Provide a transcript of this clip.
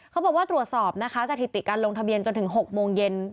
เขาบอกว่าตรวจสอบนะคะสถิติการลงทะเบียนจนถึง๖โมงเย็น